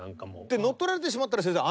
乗っ取られてしまったら先生。